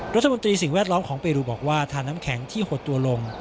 สิ่งแวดล้อมของเปรูบอกว่าทานน้ำแข็งที่หดตัวลง